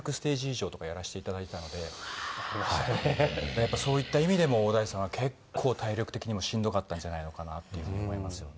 やっぱそういった意味でも小田井さんは結構体力的にもしんどかったんじゃないのかなっていう風に思いますよね。